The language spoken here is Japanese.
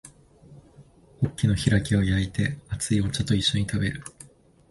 ホッケの開きを焼いて熱いお茶と一緒に食べる